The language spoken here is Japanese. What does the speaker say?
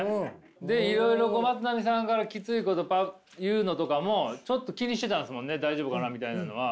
でいろいろまつなみさんからきついこと言うのとかもちょっと気にしてたんですもんね大丈夫かなみたいなのは。